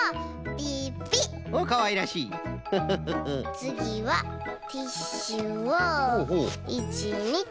つぎはティッシュを１２と。